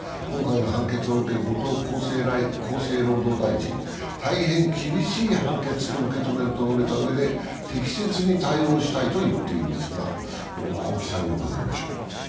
今回の判決を受け、後藤厚生労働大臣、大変厳しい判決と受け止めると述べたうえで適切に対応したいといっていますが、青木さんに伺いましょう。